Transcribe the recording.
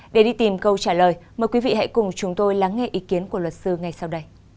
để đi tìm câu trả lời mời quý vị hãy cùng chúng tôi lắng nghe ý kiến của luật sư ngay sau đây